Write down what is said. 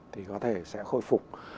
thì có thể sẽ khôi phục